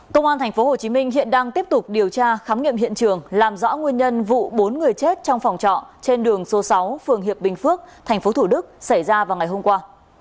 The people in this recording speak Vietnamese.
công an tp hcm hiện đang tiếp tục điều tra khám nghiệm hiện trường làm rõ nguyên nhân vụ bốn người chết trong phòng trọ trên đường số sáu phường hiệp bình phước tp thủ đức xảy ra vào ngày hôm qua